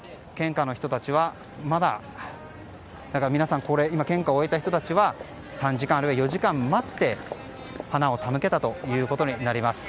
皆さん、献花を終えた人たちは３時間、あるいは４時間待って花を手向けたということになります。